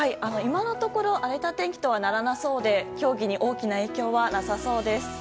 今のところ荒れた天気とはならなさそうで競技に大きな影響はなさそうです。